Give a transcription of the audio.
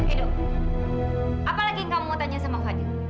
aduh apalagi yang kamu mau tanya sama fadil